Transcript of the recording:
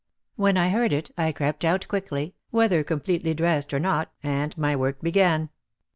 When I heard it I crept out quickly, whether completely dressed or not, and my work began.